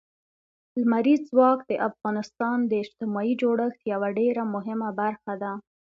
لمریز ځواک د افغانستان د اجتماعي جوړښت یوه ډېره مهمه برخه ده.